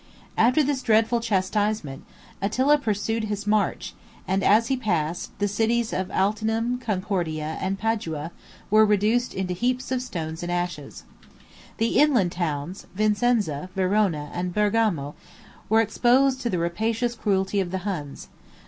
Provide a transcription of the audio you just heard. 50 After this dreadful chastisement, Attila pursued his march; and as he passed, the cities of Altinum, Concordia, and Padua, were reduced into heaps of stones and ashes. The inland towns, Vicenza, Verona, and Bergamo, were exposed to the rapacious cruelty of the Huns.